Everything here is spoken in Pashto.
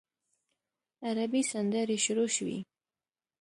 عربي سندرې شروع شوې.